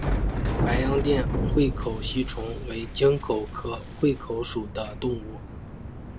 白洋淀缘口吸虫为棘口科缘口属的动物。